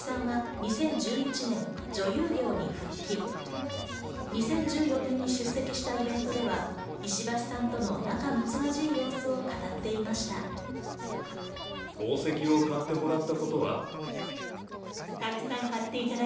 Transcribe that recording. ２０１４年に出席したイベントでは、石橋さんとの仲睦まじい様子を語っていました。